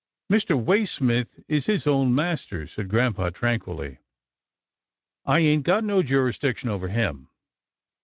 " Mr. Waysmith is his own master," said grampa, tranquilly, " I ain't got no jurisdiction over him."